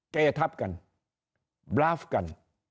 เกธับกัน